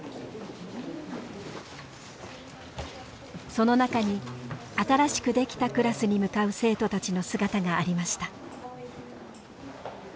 その中に新しく出来たクラスに向かう生徒たちの姿がありました。